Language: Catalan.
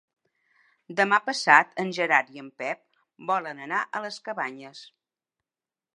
Demà passat en Gerard i en Pep volen anar a les Cabanyes.